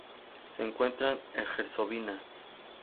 Se encuentra en Herzegovina.